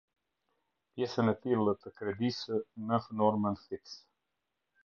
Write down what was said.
Pjesën e tillë të Kredisë në normën fiks.